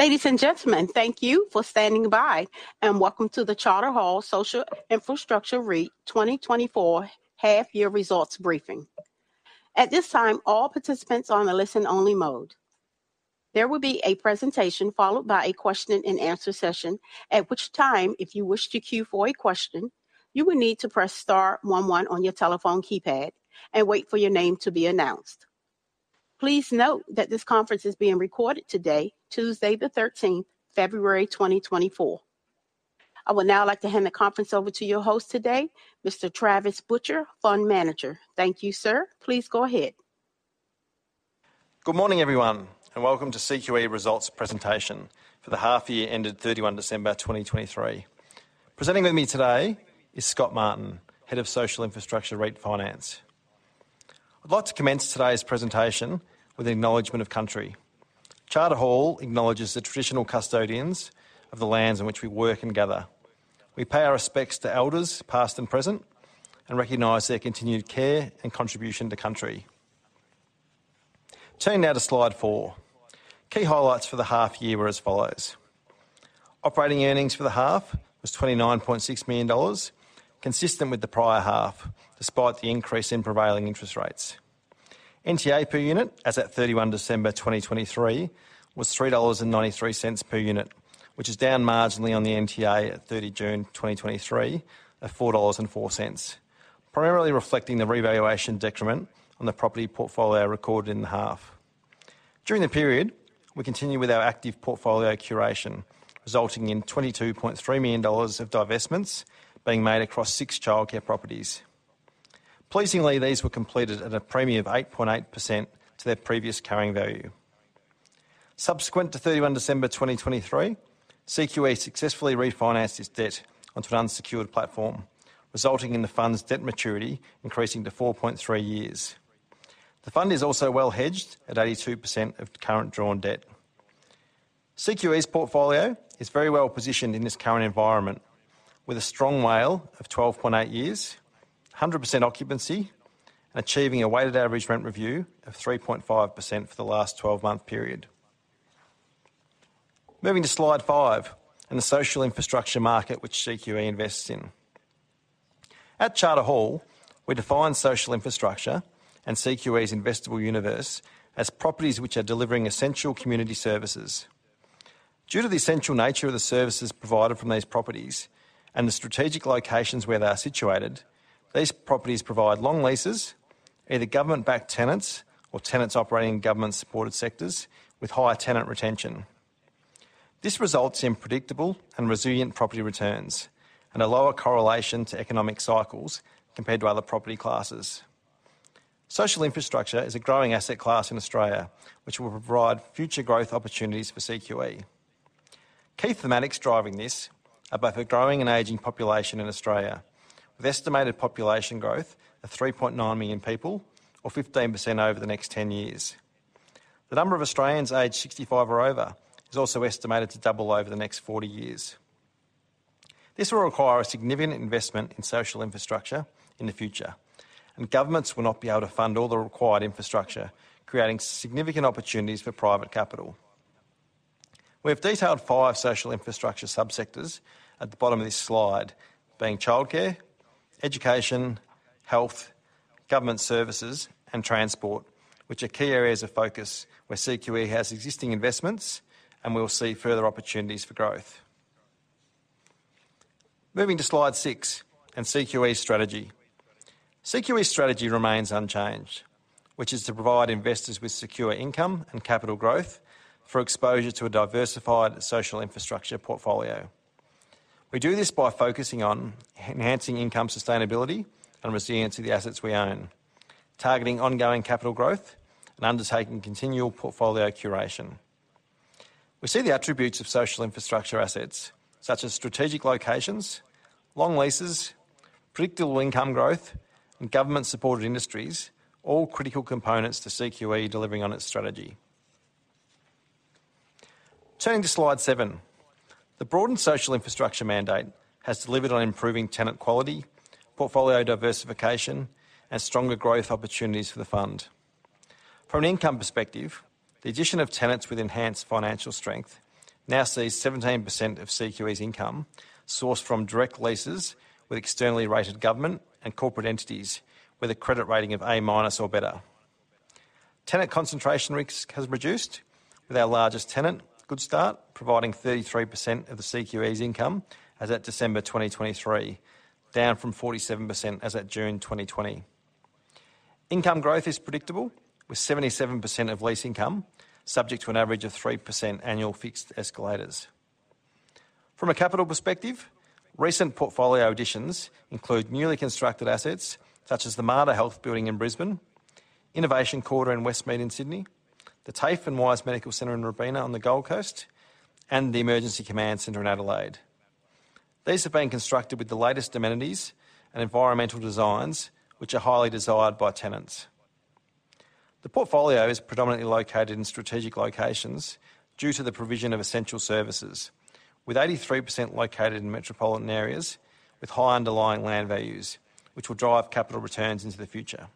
Ladies and gentlemen, thank you for standing by, and welcome to the Charter Hall Social Infrastructure REIT 2024 Half-Year Results briefing. At this time, all participants are on a listen-only mode. There will be a presentation followed by a question-and-answer session, at which time, if you wish to queue for a question, you will need to press star one one on your telephone keypad and wait for your name to be announced. Please note that this conference is being recorded today, Tuesday the 13th, February 2024. I would now like to hand the conference over to your host today, Mr. Travis Butcher, Fund Manager. Thank you, sir. Please go ahead. Good morning, everyone, and welcome to CQE Results Presentation for the Half-Year ended 31 December 2023. Presenting with me today is Scott Martin, Head of Social Infrastructure REIT Finance. I'd like to commence today's presentation with an acknowledgment of country. Charter Hall acknowledges the traditional custodians of the lands in which we work and gather. We pay our respects to elders, past and present, and recognize their continued care and contribution to country. Turning now to Slide 4, key highlights for the half-year were as follows. Operating earnings for the half was 29.6 million dollars, consistent with the prior half despite the increase in prevailing interest rates. NTA per unit, as at 31 December 2023, was AUD 3.93 per unit, which is down marginally on the NTA at 30 June 2023 of AUD 4.04, primarily reflecting the revaluation decrement on the property portfolio recorded in the half. During the period, we continued with our active portfolio curation, resulting in 22.3 million dollars of divestments being made across six childcare properties. Pleasingly, these were completed at a premium of 8.8% to their previous carrying value. Subsequent to 31 December 2023, CQE successfully refinanced its debt onto an unsecured platform, resulting in the fund's debt maturity increasing to 4.3 years. The fund is also well hedged at 82% of current drawn debt. CQE's portfolio is very well positioned in this current environment, with a strong WALE of 12.8 years, 100% occupancy, and achieving a weighted average rent review of 3.5% for the last 12-month period. Moving to Slide 5, and the social infrastructure market which CQE invests in. At Charter Hall, we define social infrastructure and CQE's investable universe as properties which are delivering essential community services. Due to the essential nature of the services provided from these properties and the strategic locations where they are situated, these properties provide long leases, either government-backed tenants or tenants operating in government-supported sectors with higher tenant retention. This results in predictable and resilient property returns and a lower correlation to economic cycles compared to other property classes. Social infrastructure is a growing asset class in Australia which will provide future growth opportunities for CQE. Key thematics driving this are both a growing and aging population in Australia, with estimated population growth of 3.9 million people, or 15% over the next 10 years. The number of Australians aged 65 or over is also estimated to double over the next 40 years. This will require a significant investment in social infrastructure in the future, and governments will not be able to fund all the required infrastructure, creating significant opportunities for private capital. We have detailed five social infrastructure subsectors at the bottom of this slide, being childcare, education, health, government services, and transport, which are key areas of focus where CQE has existing investments and we will see further opportunities for growth. Moving to Slide 6, and CQE's strategy. CQE's strategy remains unchanged, which is to provide investors with secure income and capital growth for exposure to a diversified social infrastructure portfolio. We do this by focusing on enhancing income sustainability and resilience of the assets we own, targeting ongoing capital growth and undertaking continual portfolio curation. We see the attributes of social infrastructure assets, such as strategic locations, long leases, predictable income growth, and government-supported industries, all critical components to CQE delivering on its strategy. Turning to Slide 7, the broadened social infrastructure mandate has delivered on improving tenant quality, portfolio diversification, and stronger growth opportunities for the fund. From an income perspective, the addition of tenants with enhanced financial strength now sees 17% of CQE's income sourced from direct leases with externally rated government and corporate entities with a credit rating of A-minus or better. Tenant concentration risk has reduced, with our largest tenant, Goodstart, providing 33% of the CQE's income as at December 2023, down from 47% as at June 2020. Income growth is predictable, with 77% of lease income subject to an average of 3% annual fixed escalators. From a capital perspective, recent portfolio additions include newly constructed assets such as the Mater Health Building in Brisbane, Innovation Quarter in Westmead in Sydney, the TAFE and Wise Medical Centre in Robina on the Gold Coast, and the SA Emergency Services Command Centre in Adelaide. These have been constructed with the latest amenities and environmental designs which are highly desired by tenants. The portfolio is predominantly located in strategic locations due to the provision of essential services, with 83% located in metropolitan areas with high underlying land values which will drive capital returns into the future.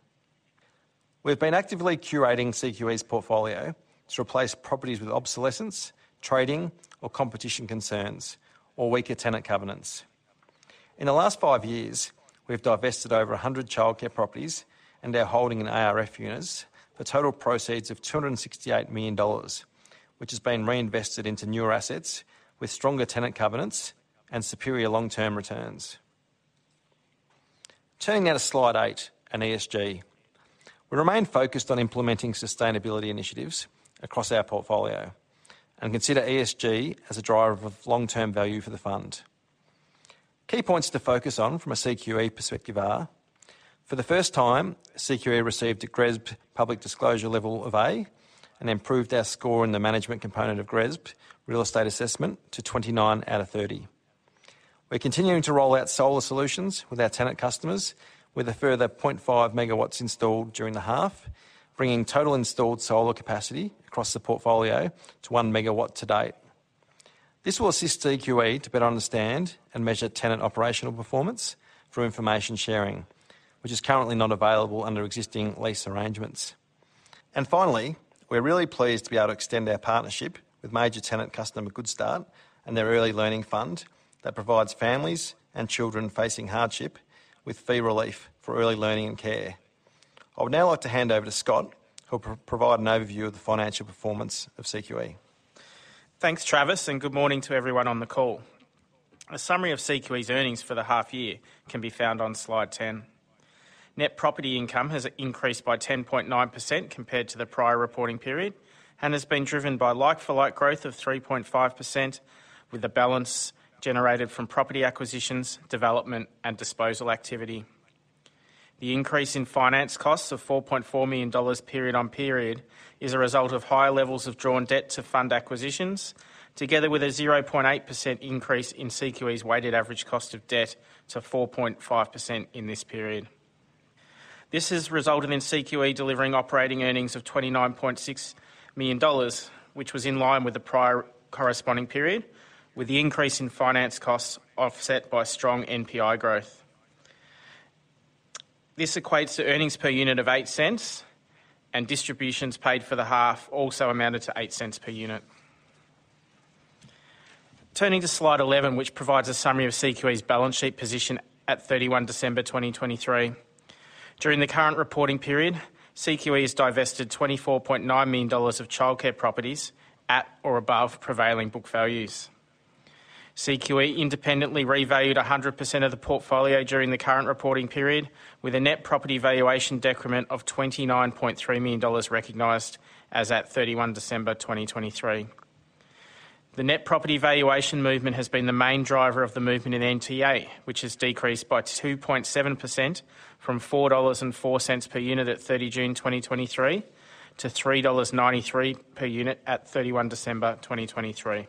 We have been actively curating CQE's portfolio to replace properties with obsolescence, trading, or competition concerns, or weaker tenant covenants. In the last five years, we have divested over 100 childcare properties and our holding in ARF units for a total proceeds of 268 million dollars, which has been reinvested into newer assets with stronger tenant covenants and superior long-term returns. Turning now to Slide 8, and ESG. We remain focused on implementing sustainability initiatives across our portfolio and consider ESG as a driver of long-term value for the fund. Key points to focus on from a CQE perspective are: for the first time, CQE received a GRESB Public Disclosure level of A and improved our score in the management component of GRESB Real Estate Assessment to 29/30. We're continuing to roll out solar solutions with our tenant customers, with a further 0.5 MW installed during the half, bringing total installed solar capacity across the portfolio to 1 MW to date. This will assist CQE to better understand and measure tenant operational performance through information sharing, which is currently not available under existing lease arrangements. And finally, we're really pleased to be able to extend our partnership with major tenant customer Goodstart and their Early Learning Fund that provides families and children facing hardship with fee relief for early learning and care. I would now like to hand over to Scott, who will provide an overview of the financial performance of CQE. Thanks, Travis, and good morning to everyone on the call. A summary of CQE's earnings for the half-year can be found on Slide 10. Net property income has increased by 10.9% compared to the prior reporting period and has been driven by like-for-like growth of 3.5%, with the balance generated from property acquisitions, development, and disposal activity. The increase in finance costs of 4.4 million dollars period on period is a result of higher levels of drawn debt to fund acquisitions, together with a 0.8% increase in CQE's weighted average cost of debt to 4.5% in this period. This has resulted in CQE delivering operating earnings of 29.6 million dollars, which was in line with the prior corresponding period, with the increase in finance costs offset by strong NPI growth. This equates to earnings per unit of 0.08, and distributions paid for the half also amounted to 0.08 per unit. Turning to Slide 11, which provides a summary of CQE's balance sheet position at 31 December 2023. During the current reporting period, CQE has divested 24.9 million dollars of childcare properties at or above prevailing book values. CQE independently revalued 100% of the portfolio during the current reporting period, with a net property valuation decrement of AUD 29.3 million recognised as at 31 December 2023. The net property valuation movement has been the main driver of the movement in NTA, which has decreased by 2.7% from 4.04 dollars per unit at 30 June 2023 to 3.93 dollars per unit at 31 December 2023.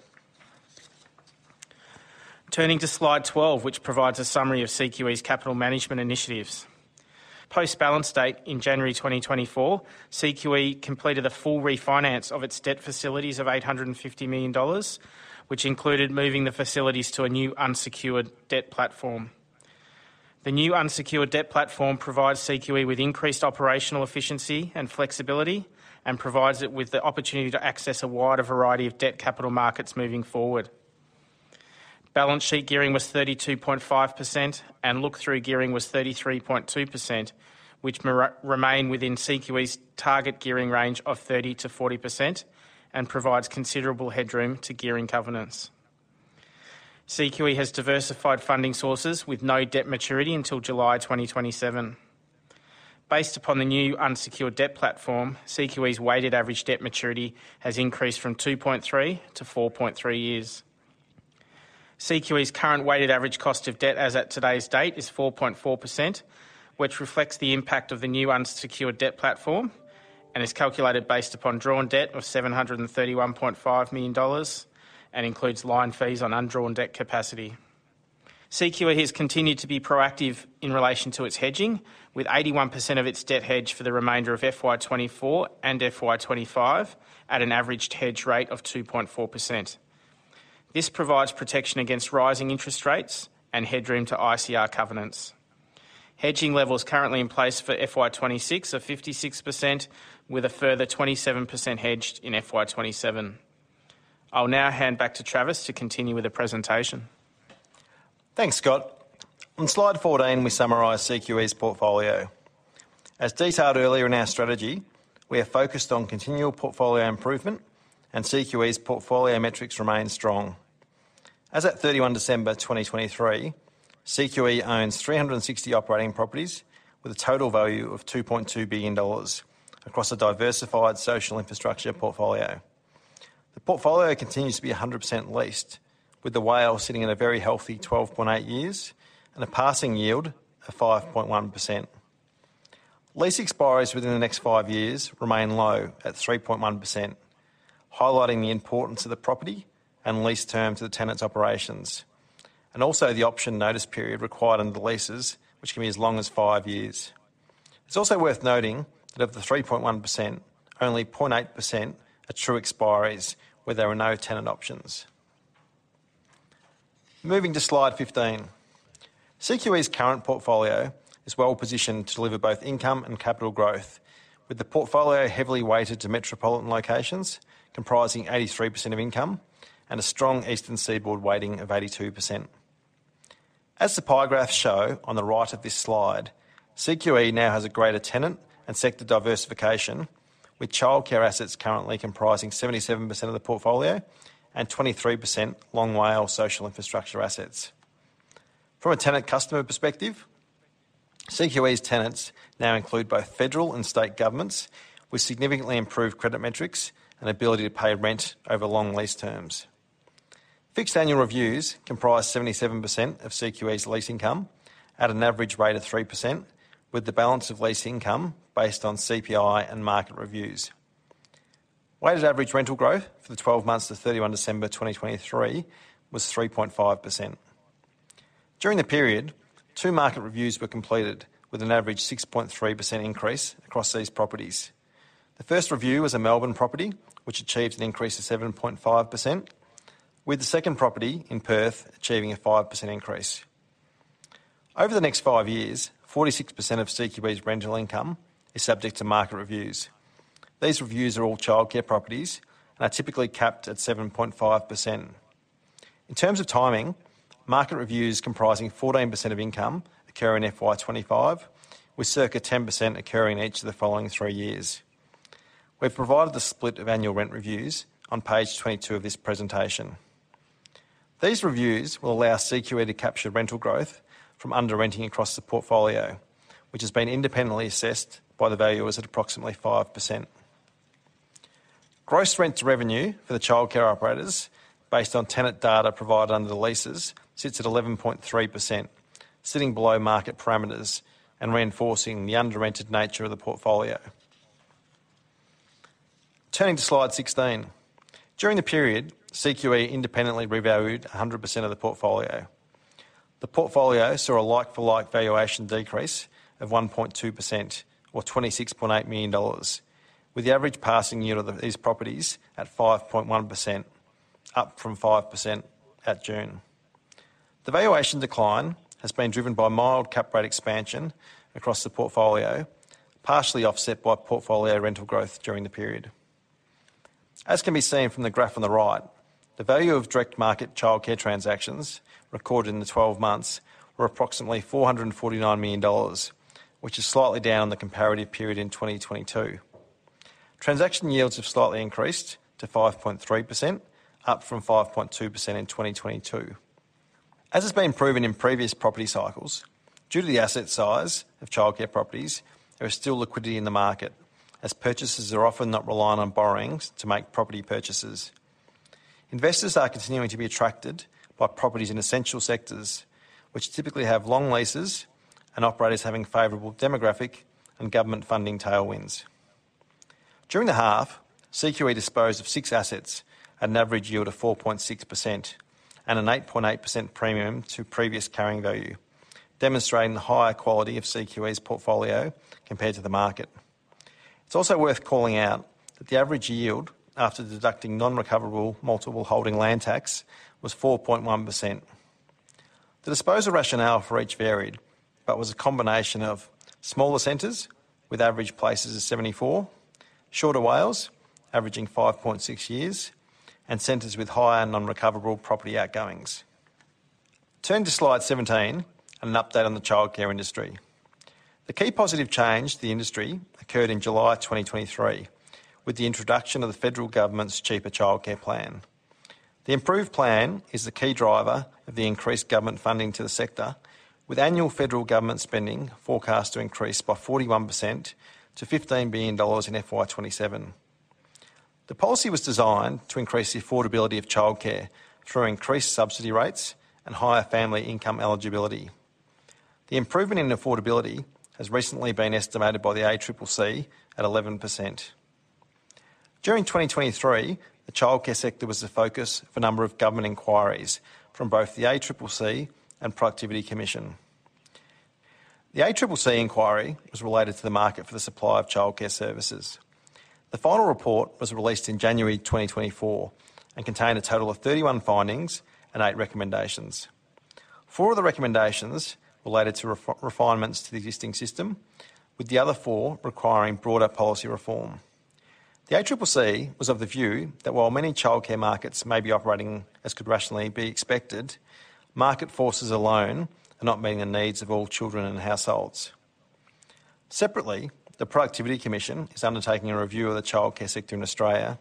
Turning to Slide 12, which provides a summary of CQE's capital management initiatives. Post-balance date in January 2024, CQE completed the full refinance of its debt facilities of 850 million dollars, which included moving the facilities to a new unsecured debt platform. The new unsecured debt platform provides CQE with increased operational efficiency and flexibility and provides it with the opportunity to access a wider variety of debt capital markets moving forward. Balance sheet gearing was 32.5%, and look-through gearing was 33.2%, which remain within CQE's target gearing range of 30%-40% and provides considerable headroom to gearing covenants. CQE has diversified funding sources with no debt maturity until July 2027. Based upon the new unsecured debt platform, CQE's weighted average debt maturity has increased from 2.3 to 4.3 years. CQE's current weighted average cost of debt as at today's date is 4.4%, which reflects the impact of the new unsecured debt platform and is calculated based upon drawn debt of 731.5 million dollars and includes line fees on undrawn debt capacity. CQE has continued to be proactive in relation to its hedging, with 81% of its debt hedged for the remainder of FY 2024 and FY 2025 at an averaged hedge rate of 2.4%. This provides protection against rising interest rates and headroom to ICR covenants. Hedging levels currently in place for FY 2026 are 56%, with a further 27% hedged in FY 2027. I'll now hand back to Travis to continue with the presentation. Thanks, Scott. On Slide 14, we summarize CQE's portfolio. As detailed earlier in our strategy, we are focused on continual portfolio improvement, and CQE's portfolio metrics remain strong. As at 31 December 2023, CQE owns 360 operating properties with a total value of 2.2 billion dollars across a diversified social infrastructure portfolio. The portfolio continues to be 100% leased, with the WALE sitting in a very healthy 12.8 years and a passing yield of 5.1%. Lease expiries within the next five years remain low at 3.1%, highlighting the importance of the property and lease terms to the tenant's operations, and also the option notice period required under the leases, which can be as long as five years. It's also worth noting that of the 3.1%, only 0.8% are true expiries where there are no tenant options. Moving to Slide 15. CQE's current portfolio is well positioned to deliver both income and capital growth, with the portfolio heavily weighted to metropolitan locations, comprising 83% of income, and a strong Eastern Seaboard weighting of 82%. As the pie graphs show on the right of this slide, CQE now has a greater tenant and sector diversification, with childcare assets currently comprising 77% of the portfolio and 23% long WALE social infrastructure assets. From a tenant customer perspective, CQE's tenants now include both federal and state governments with significantly improved credit metrics and ability to pay rent over long lease terms. Fixed annual reviews comprise 77% of CQE's lease income at an average rate of 3%, with the balance of lease income based on CPI and market reviews. Weighted average rental growth for the 12 months to 31 December 2023 was 3.5%. During the period, two market reviews were completed, with an average 6.3% increase across these properties. The first review was a Melbourne property, which achieved an increase of 7.5%, with the second property in Perth achieving a 5% increase. Over the next five years, 46% of CQE's rental income is subject to market reviews. These reviews are all childcare properties and are typically capped at 7.5%. In terms of timing, market reviews comprising 14% of income occur in FY 2025, with circa 10% occurring in each of the following three years. We've provided the split of annual rent reviews on page 22 of this presentation. These reviews will allow CQE to capture rental growth from under-renting across the portfolio, which has been independently assessed by the valuers at approximately 5%. Gross rent to revenue for the childcare operators, based on tenant data provided under the leases, sits at 11.3%, sitting below market parameters and reinforcing the under-rented nature of the portfolio. Turning to Slide 16. During the period, CQE independently revalued 100% of the portfolio. The portfolio saw a like-for-like valuation decrease of 1.2%, or 26.8 million dollars, with the average passing yield of these properties at 5.1%, up from 5% at June. The valuation decline has been driven by mild cap rate expansion across the portfolio, partially offset by portfolio rental growth during the period. As can be seen from the graph on the right, the value of direct market childcare transactions recorded in the 12 months were approximately 449 million dollars, which is slightly down on the comparative period in 2022. Transaction yields have slightly increased to 5.3%, up from 5.2% in 2022. As has been proven in previous property cycles, due to the asset size of childcare properties, there is still liquidity in the market, as purchasers are often not relying on borrowings to make property purchases. Investors are continuing to be attracted by properties in essential sectors, which typically have long leases and operators having favorable demographic and government funding tailwinds. During the half, CQE disposed of 6 assets at an average yield of 4.6% and an 8.8% premium to previous carrying value, demonstrating the higher quality of CQE's portfolio compared to the market. It's also worth calling out that the average yield, after deducting non-recoverable multiple holding land tax, was 4.1%. The disposal rationale for each varied but was a combination of smaller centers with average places of 74, shorter WALEs averaging 5.6 years, and centers with higher non-recoverable property outgoings. Turning to Slide 17 and an update on the childcare industry. The key positive change to the industry occurred in July 2023 with the introduction of the federal government's Cheaper Child Care plan. The improved plan is the key driver of the increased government funding to the sector, with annual federal government spending forecast to increase by 41% to 15 billion dollars in FY 2027. The policy was designed to increase the affordability of childcare through increased subsidy rates and higher family income eligibility. The improvement in affordability has recently been estimated by the ACCC at 11%. During 2023, the childcare sector was the focus of a number of government inquiries from both the ACCC and Productivity Commission. The ACCC inquiry was related to the market for the supply of childcare services. The final report was released in January 2024 and contained a total of 31 findings and eight recommendations. Four of the recommendations related to refinements to the existing system, with the other four requiring broader policy reform. The ACCC was of the view that while many childcare markets may be operating as could rationally be expected, market forces alone are not meeting the needs of all children and households. Separately, the Productivity Commission is undertaking a review of the childcare sector in Australia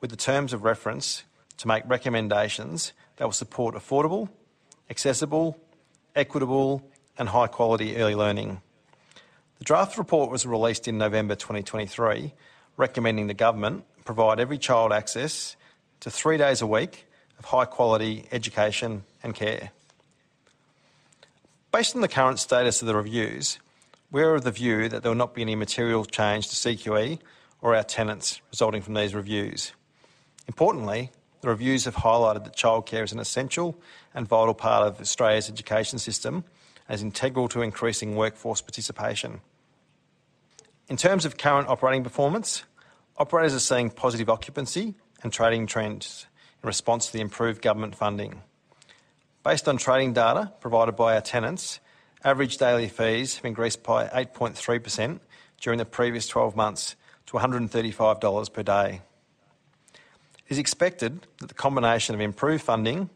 with the terms of reference to make recommendations that will support affordable, accessible, equitable, and high-quality early learning. The draft report was released in November 2023, recommending the government provide every child access to three days a week of high-quality education and care. Based on the current status of the reviews, we are of the view that there will not be any material change to CQE or our tenants resulting from these reviews. Importantly, the reviews have highlighted that childcare is an essential and vital part of Australia's education system as integral to increasing workforce participation. In terms of current operating performance, operators are seeing positive occupancy and trading trends in response to the improved government funding. Based on trading data provided by our tenants, average daily fees have increased by 8.3% during the previous 12 months to 135 dollars per day. It is expected that the combination of improved funding,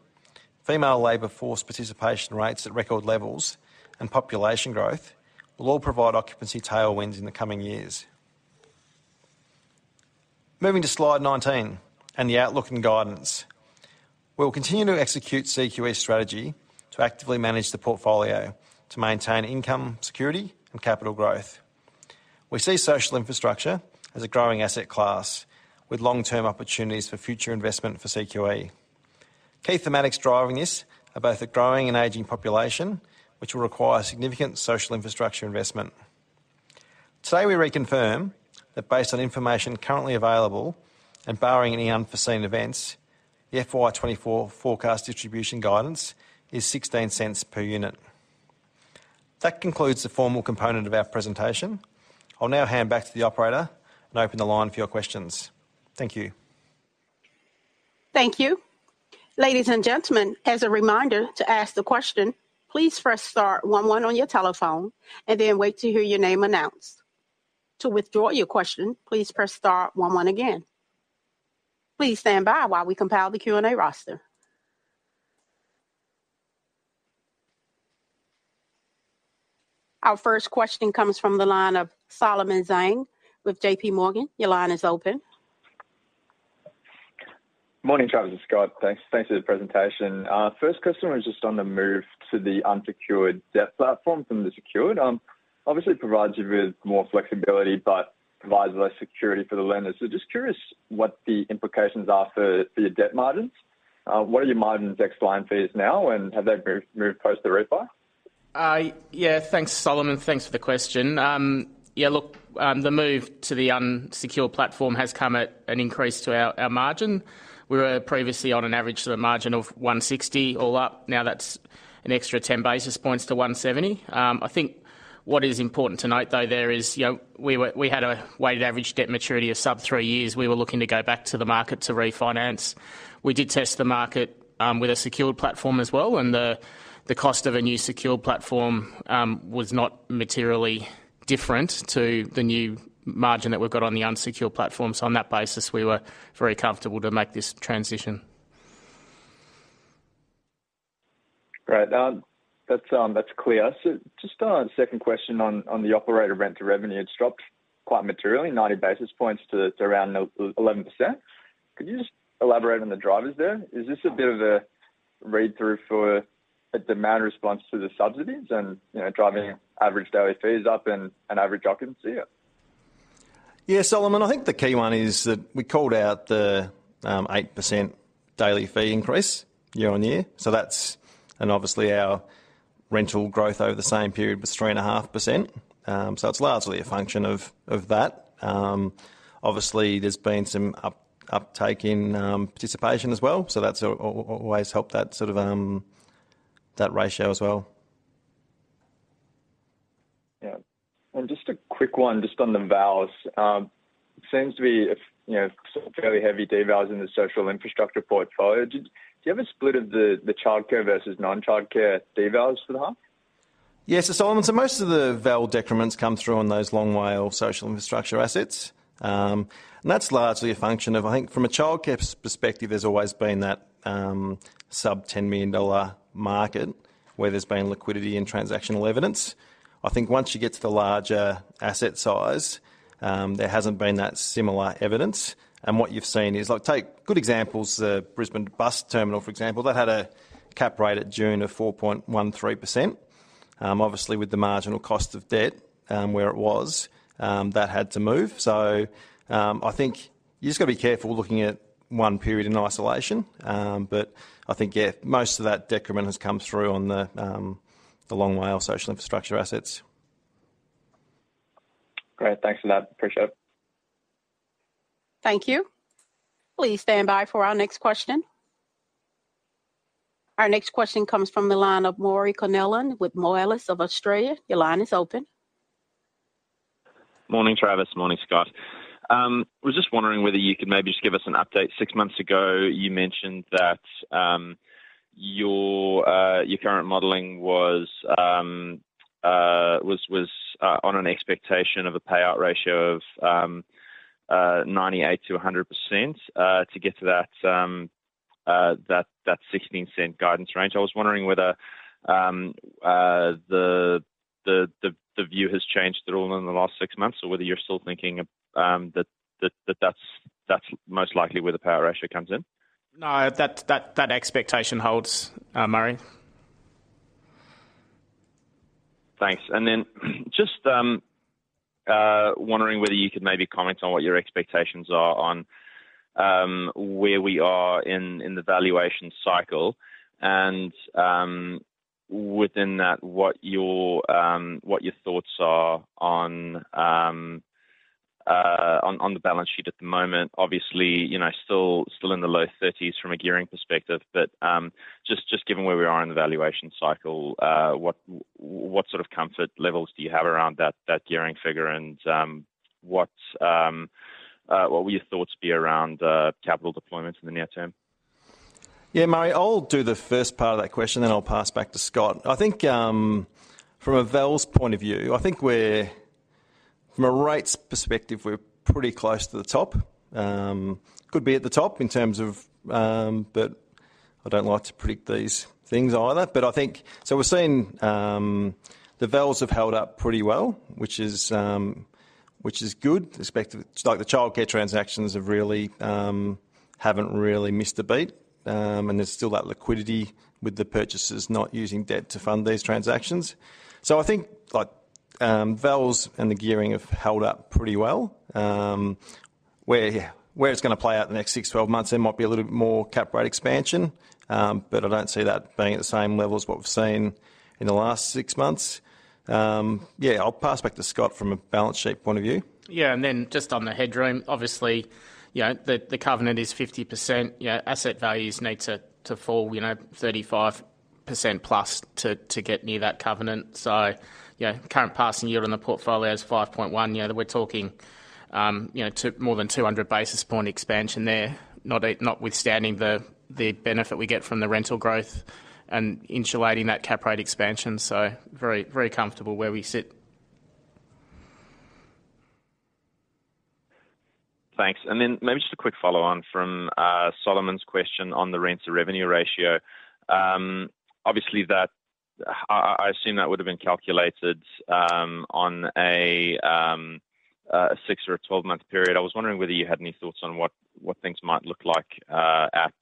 female labor force participation rates at record levels, and population growth will all provide occupancy tailwinds in the coming years. Moving to Slide 19 and the outlook and guidance. We will continue to execute CQE's strategy to actively manage the portfolio to maintain income security and capital growth. We see social infrastructure as a growing asset class with long-term opportunities for future investment for CQE. Key thematics driving this are both a growing and aging population, which will require significant social infrastructure investment. Today, we reconfirm that based on information currently available and barring any unforeseen events, the FY 2024 forecast distribution guidance is 0.16 per unit. That concludes the formal component of our presentation. I'll now hand back to the operator and open the line for your questions. Thank you. Thank you. Ladies and gentlemen, as a reminder to ask the question, please press star one one on your telephone and then wait to hear your name announced. To withdraw your question, please press star one one again. Please stand by while we compile the Q&A roster. Our first question comes from the line of Solomon Ziyad with JPMorgan. Your line is open. Morning, Travis and Scott. Thanks for the presentation. First question was just on the move to the unsecured debt platform from the secured. Obviously, it provides you with more flexibility but provides less security for the lenders. So just curious what the implications are for your debt margins. What are your margins ex line fees now, and have they moved post the refi? Yeah. Thanks, Solomon. Thanks for the question. Yeah, look, the move to the unsecured platform has come at an increase to our margin. We were previously on an average to a margin of 160 all up. Now that's an extra 10 basis points to 170. I think what is important to note, though, there is we had a weighted average debt maturity of sub-three years. We were looking to go back to the market to refinance. We did test the market with a secured platform as well, and the cost of a new secured platform was not materially different to the new margin that we've got on the unsecured platform. So on that basis, we were very comfortable to make this transition. Great. That's clear. So just a second question on the operator rent to revenue. It's dropped quite materially, 90 basis points to around 11%. Could you just elaborate on the drivers there? Is this a bit of a read-through for a demand response to the subsidies and driving average daily fees up and average occupancy? Yeah, Solomon. I think the key one is that we called out the 8% daily fee increase year-on-year. So that's, and obviously, our rental growth over the same period was 3.5%. So it's largely a function of that. Obviously, there's been some uptake in participation as well, so that's always helped that ratio as well. Yeah. And just a quick one, just on the values. It seems to be fairly heavy devalues in the social infrastructure portfolio. Do you have a split of the childcare versus non-childcare devalues for the half? Yes. So Solomon, so most of the value decrements come through on those long WALE social infrastructure assets. And that's largely a function of I think from a childcare perspective, there's always been that sub-AUD 10 million market where there's been liquidity and transactional evidence. I think once you get to the larger asset size, there hasn't been that similar evidence. And what you've seen is look, take good examples, the Brisbane Bus Terminal, for example. That had a cap rate at June of 4.13%. Obviously, with the marginal cost of debt where it was, that had to move. So I think you've just got to be careful looking at one period in isolation. But I think, yeah, most of that decrement has come through on the long WALE social infrastructure assets. Great. Thanks for that. Appreciate it. Thank you. Please stand by for our next question. Our next question comes from the line of Murray Connellan with Moelis Australia. Your line is open. Morning, Travis. Morning, Scott. I was just wondering whether you could maybe just give us an update. Six months ago, you mentioned that your current modeling was on an expectation of a payout ratio of 98%-100% to get to that 0.16 guidance range. I was wondering whether the view has changed at all in the last six months or whether you're still thinking that that's most likely where the payout ratio comes in. No, that expectation holds, Murray. Thanks. And then just wondering whether you could maybe comment on what your expectations are on where we are in the valuation cycle. And within that, what your thoughts are on the balance sheet at the moment. Obviously, still in the low 30s from a gearing perspective. But just given where we are in the valuation cycle, what sort of comfort levels do you have around that gearing figure? And what will your thoughts be around capital deployments in the near term? Yeah, Murray, I'll do the first part of that question, then I'll pass back to Scott. I think from a values point of view, I think we're from a rates perspective, we're pretty close to the top. Could be at the top in terms of but I don't like to predict these things either. But I think so we're seeing the values have held up pretty well, which is good. It's like the childcare transactions haven't really missed a beat. And there's still that liquidity with the purchases not using debt to fund these transactions. So I think values and the gearing have held up pretty well. Where it's going to play out the next 6-12 months, there might be a little bit more cap rate expansion. But I don't see that being at the same level as what we've seen in the last six months. Yeah, I'll pass back to Scott from a balance sheet point of view. Yeah. And then just on the headroom, obviously, the covenant is 50%. Asset values need to fall 35%+ to get near that covenant. So current passing yield on the portfolio is 5.1%. We're talking more than 200 basis point expansion there, notwithstanding the benefit we get from the rental growth and insulating that cap rate expansion. So very comfortable where we sit. Thanks. Then maybe just a quick follow-on from Solomon's question on the rents to revenue ratio. Obviously, I assume that would have been calculated on a six or a 12-month period. I was wondering whether you had any thoughts on what things might look like at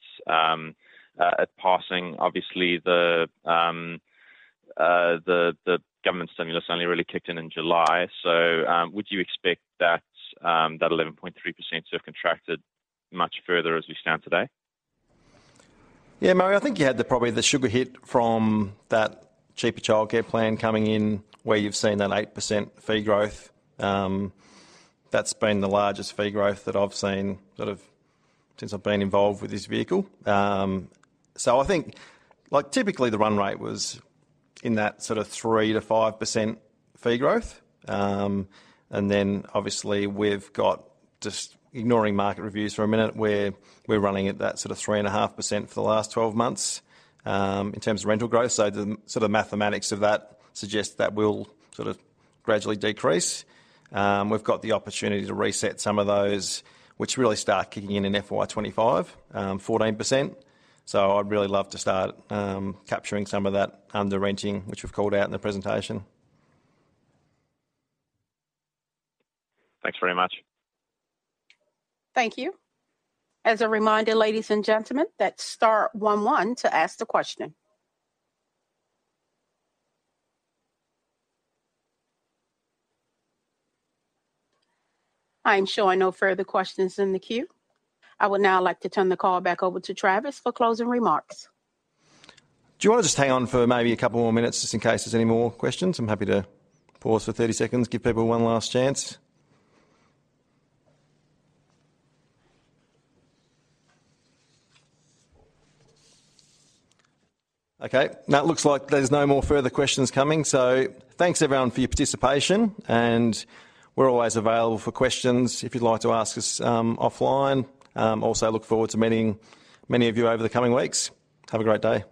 passing. Obviously, the government stimulus only really kicked in in July. Would you expect that 11.3% to have contracted much further as we stand today? Yeah, Murray, I think you had probably the sugar hit from that cheaper childcare plan coming in where you've seen that 8% fee growth. That's been the largest fee growth that I've seen sort of since I've been involved with this vehicle. So I think typically, the run rate was in that sort of 3%-5% fee growth. And then obviously, we've got just ignoring market reviews for a minute, we're running at that sort of 3.5% for the last 12 months in terms of rental growth. So the sort of mathematics of that suggests that will sort of gradually decrease. We've got the opportunity to reset some of those, which really start kicking in in FY 2025, 14%. So I'd really love to start capturing some of that under renting, which we've called out in the presentation. Thanks very much. Thank you. As a reminder, ladies and gentlemen, that's star one to ask the question. I'm sure I know further questions in the queue. I would now like to turn the call back over to Travis for closing remarks. Do you want to just hang on for maybe a couple more minutes just in case there's any more questions? I'm happy to pause for 30 seconds, give people one last chance. Okay. Now it looks like there's no more further questions coming. So thanks, everyone, for your participation. And we're always available for questions if you'd like to ask us offline. Also, look forward to meeting many of you over the coming weeks. Have a great day.